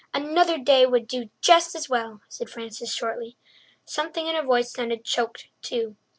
Another day would do just as well," said Frances shortly. Something in her voice sounded choked too.